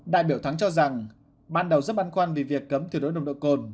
đại biểu thắng cho rằng ban đầu rất băn khoăn vì việc cấm tuyệt đối nồng độ cồn